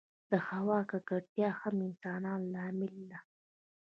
د هوا ککړتیا هم د انسانانو له امله ده.